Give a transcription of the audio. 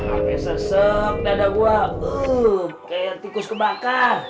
ampe sesep dada gua kayak tikus kebakar